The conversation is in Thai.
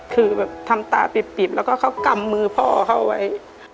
คือแบบทำตาปิบแล้วก็เขากำมือพ่อเขาไว้